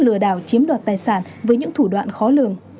lừa đảo chiếm đoạt tài sản với những thủ đoạn khó lường